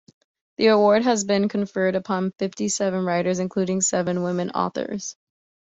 The award has been conferred upon fifty-seven writers including seven women authors.